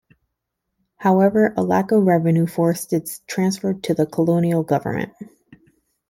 However a lack of revenue forced its transfer to the Colonial Government.